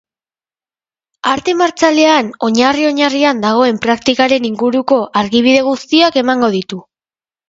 Arte martzialen oinarri-oinarrian dagoen praktikaren inguruko argibide guztiak emango ditu.